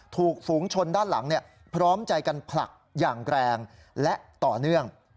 ถูกฝูงชนด้านหลังพร้อมใจกันผลักอย่างแรงและต่อเนื่อง